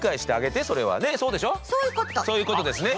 そういうことですね。